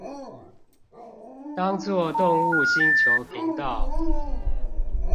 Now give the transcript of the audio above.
當作動物星球頻道